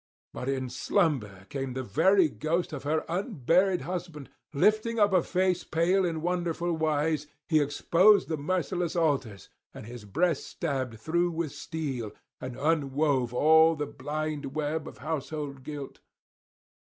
But in slumber came the very ghost of her unburied husband; lifting up a face pale in wonderful wise, he exposed the merciless altars and [356 387]his breast stabbed through with steel, and unwove all the blind web of household guilt.